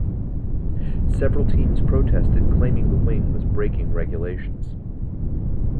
Several teams protested claiming the wing was breaking regulations.